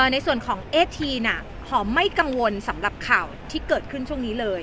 ในส่วนของเอสทีนหอมไม่กังวลสำหรับข่าวที่เกิดขึ้นช่วงนี้เลย